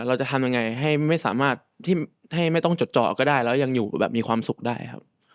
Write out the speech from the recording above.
เราจะทำยังไงให้ไม่ต้องจดเจอก็ได้แล้วยังอยู่แบบมีความสุขได้ครับ